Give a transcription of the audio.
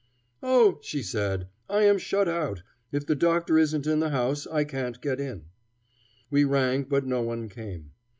"Oh!" she said, "I am shut out. If the doctor isn't in the house, I can't get in." We rang, but no one came.